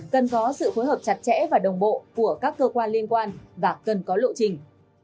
cần có sự phối hợp chặt chẽ và đồng bộ của các cơ quan liên quan và cần có lộ trình